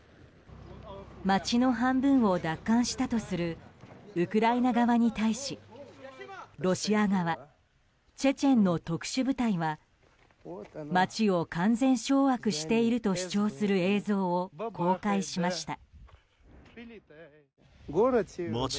街の半分を奪還したとするウクライナ側に対しロシア側チェチェンの特殊部隊は街を完全掌握していると主張する映像を公開しました。